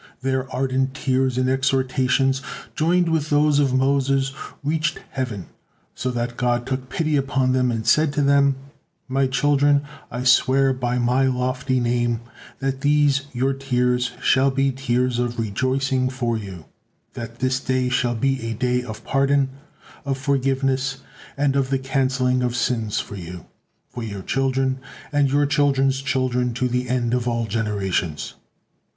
Their ardent tears and exhortations, joined with those of Moses, reached heaven, so that God took pity upon them and said to them: "My children, I swear by my lofty Name that these your tears shall be tears of rejoicing for you; that this day shall be a day of pardon, of forgiveness, and of the canceling of sins for you, for your children, and your children's children to the end of all generations."